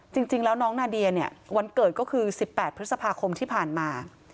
จริงแล้วน้องนาเดียเนี่ยวันเกิดก็คือ๑๘พฤษภาคมที่ผ่านมา